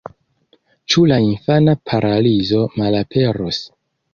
Ĉu la infana paralizo malaperos?